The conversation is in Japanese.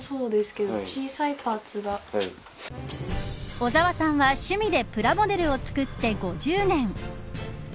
小澤さんは趣味でプラモデルを作って５０年。